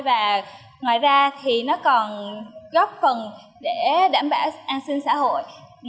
và ngoài ra thì nó còn góp phần để đảm bảo an sinh xã hội